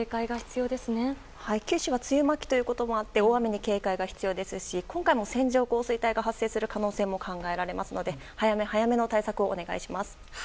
九州は梅雨末期ということで大雨に警戒が必要ですし今回も線状降水帯が発生する可能性も考えられますので早め早めの対策をお願いします。